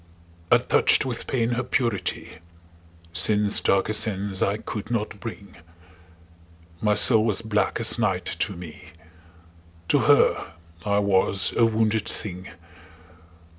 I touched with pain her purity; Sin's darker sense I could not bring: My soul was black as night to me: To her I was a wounded thing.